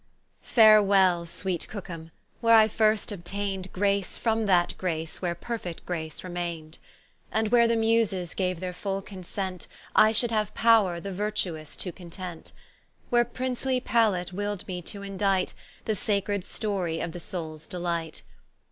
F Arewell (sweet Cooke ham) where I first obtain'd Grace from that Grace where perfit Grace remain'd; And where the Muses gaue their full consent, I should haue powre the virtuous to content: Where princely Palate will'd me to indite, The sacred Storie of the Soules delight.